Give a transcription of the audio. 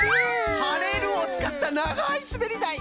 「はれる」をつかったながいすべりだい！